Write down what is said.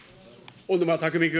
小沼巧君。